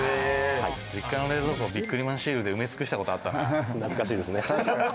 実家の冷蔵庫、ビックリマンシールで埋め尽くしたことあったな。